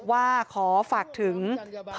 แล้วก็ไม่พบ